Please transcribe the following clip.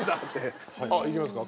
いきますか？